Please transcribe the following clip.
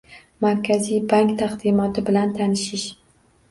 Markaziy bank taqdimoti bilan tanishish